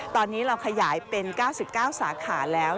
ตอนนี้เราขยายเป็น๙๙สาขาแล้ว